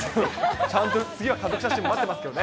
ちゃんと次は家族写真、待ってますけどね。